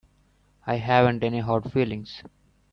I haven't any hard feelings.